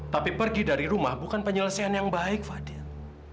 tapi pergi dari rumah bukan penyelesaian yang baik fadian